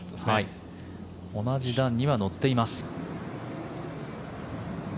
同じ段には乗っています。